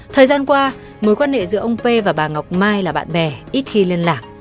thời gian qua mối quan hệ giữa ông p và bà ngọc mai là bạn bè ít khi liên lạc